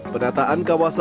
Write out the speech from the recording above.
penataan kawasan balai kandung